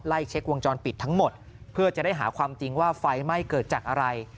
เช็ควงจรปิดทั้งหมดเพื่อจะได้หาความจริงว่าไฟไหม้เกิดจากอะไร